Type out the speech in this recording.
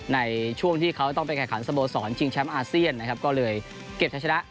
ในช่วงที่เขาต้องไปแข่งขันสโมสรชิงแชมป์อาเซียนนะครับก็เลยเก็บใช้ชนะ